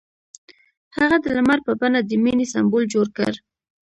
هغه د لمر په بڼه د مینې سمبول جوړ کړ.